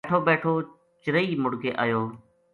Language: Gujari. بیٹھو بیٹھو چرئی مڑ کے ایو